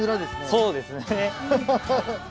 そうですね。